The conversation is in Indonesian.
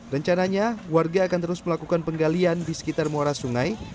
rencananya warga akan terus melakukan penggalian di sekitar muara sungai